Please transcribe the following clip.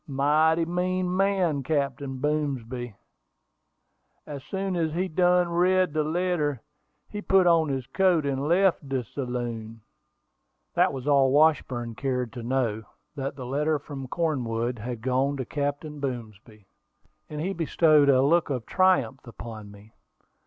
Mighty mean man, Captain Boomsby. As soon as he done read de letter, he put on his coat, and left de saloon." That was all that Washburn cared to know that the letter from Cornwood had gone to Captain Boomsby; and he bestowed a look of triumph upon me.